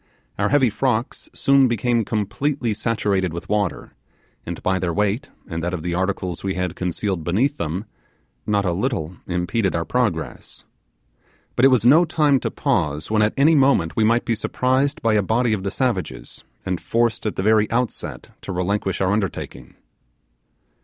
Our heavy frocks soon became completely saturated with water, and by their weight, and that of the articles we had concealed beneath them, not a little impeded our progress. But it was no time to pause when at any moment we might be surprised by a body of the savages, and forced at the very outset to relinquish our undertaking.